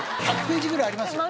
１００ページぐらいありますよ。